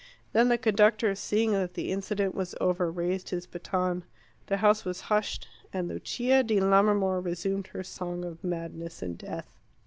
Then the conductor, seeing that the incident was over, raised his baton. The house was hushed, and Lucia di Lammermoor resumed her song of madness and death.